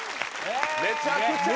めちゃくちゃいい。